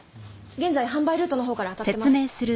現在販売ルートのほうからあたってます。